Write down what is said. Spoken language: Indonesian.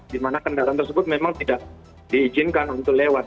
di mana kendaraan tersebut memang tidak diizinkan untuk lewat